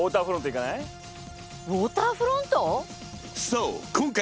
ウォーターフロント行かない？